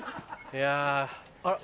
いやぁあら？